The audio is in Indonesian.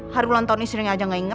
hari bulan tahun istrinya aja gak inget